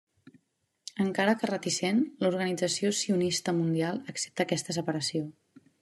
Encara que reticent, l'Organització sionista mundial accepta aquesta separació.